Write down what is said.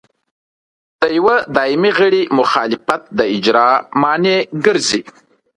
د یوه دایمي غړي مخالفت د اجرا مانع ګرځي.